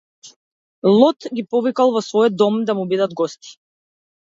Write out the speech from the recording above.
Лот ги повикал во својот дом да му бидат гости.